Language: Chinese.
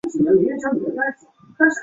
勒马达热奈。